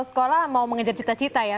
sekolah mau mengejar cita cita ya